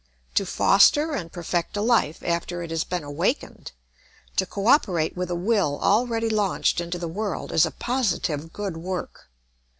To foster and perfect a life after it has been awakened, to co operate with a will already launched into the world, is a positive good work.